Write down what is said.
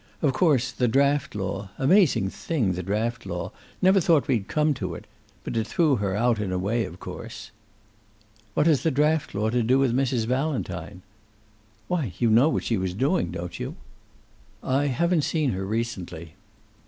Of course, the draft law amazing thing, the draft law! Never thought we'd come to it. But it threw her out, in a way, of course." "What has the draft law to do with Mrs. Valentine?" "Why, you know what she was doing, don't you?" "I haven't seen her recently."